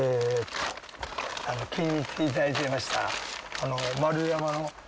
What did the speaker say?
気に入っていただいていました。